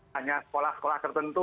hanya sekolah sekolah tertentu